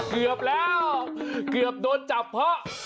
เกือบแล้วเกือบโดนจับเพราะ